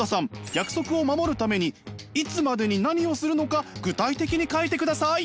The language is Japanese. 約束を守るためにいつまでに何をするのか具体的に書いてください。